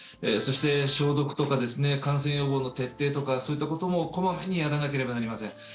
そして、消毒とか感染予防の徹底とかそういったことも細かにやらなければなりません。